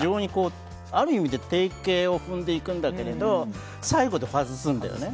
ある意味で定型を踏んでいくんだけれども最後で外すんだよね。